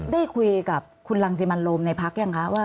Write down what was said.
ได้คุยกับคุณรังสิมันโรมในพักยังคะว่า